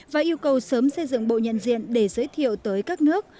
và yêu cầu sớm xây dựng bộ nhận diện để giới thiệu tới các nước